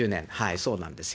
そうなんですよ。